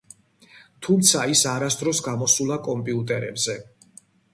თუმცა ის არასდროს გამოსულა კომპიუტერებზე.